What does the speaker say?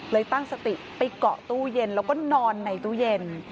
ตั้งสติไปเกาะตู้เย็นแล้วก็นอนในตู้เย็น